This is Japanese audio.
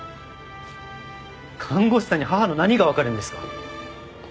看護師さんに母の何がわかるんですか？